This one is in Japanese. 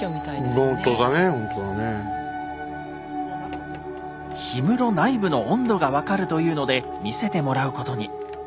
氷室内部の温度が分かるというので見せてもらうことに。